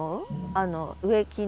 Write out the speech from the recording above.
あの植木の。